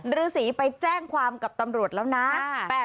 ฤษีไปแจ้งความกับตำรวจแล้วนะ